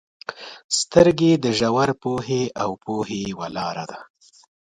• سترګې د ژور پوهې او پوهې یوه لاره ده.